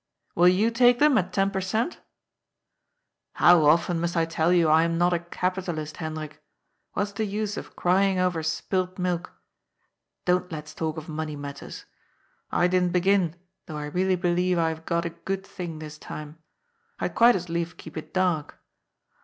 " Will you take them at ten per cent ?" *^How often must I tell you I am not a capitalist, Hen drik? What's the use of crying over spilt milk? Don't let's talk of money matters. I didn't begin, though I really believe I have got a good thing this time. I'd quite as lief keep it dark.